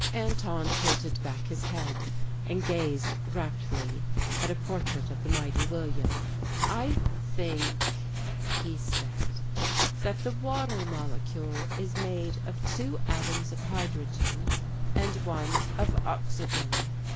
Anton tilted back his head and gazed raptly at a portrait of the Mighty William. "I think," he said, "that the water molecule is made of two atoms of hydrogen and one of oxygen."